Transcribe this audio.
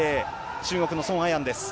中国のソン・アヤンです。